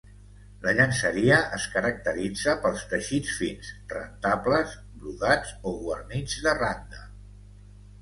La llenceria es caracteritza pels teixits fins, rentables, brodats o guarnits de randa.